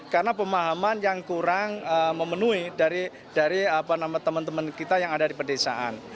karena pemahaman yang kurang memenuhi dari teman teman kita yang ada di pedesaan